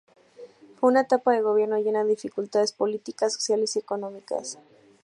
Fue una etapa de gobierno llena de dificultades políticas, sociales y económicas.